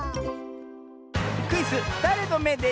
クイズ「だれのめでショー」